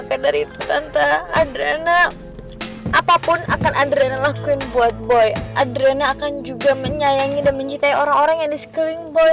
apapun akan adrena lakuin buat boy adrena akan juga menyayangi dan mencintai orang orang yang di sekeliling boy